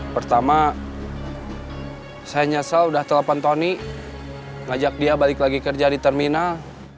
pertama saya nyesel udah telepon tony ngajak dia balik lagi kerja di terminal